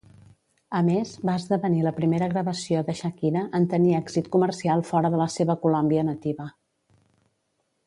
A més, va esdevenir la primera gravació de Shakira en tenir èxit comercial fora de la seva Colòmbia nativa.